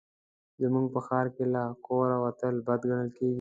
زموږ په ښار کې له کوره وتل بد ګڼل کېږي